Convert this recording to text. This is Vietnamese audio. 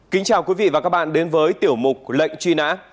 kính chào quý vị và các bạn đến với tiểu mục lệnh truy nã